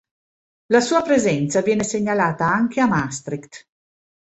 La sua presenza viene segnalata anche a Maastricht.